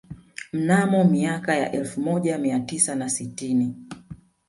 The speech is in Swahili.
Mnamo miaka ya elfu moja mia tisa na sitini